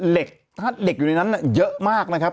เหล็กถ้าเหล็กอยู่ในนั้นเยอะมากนะครับ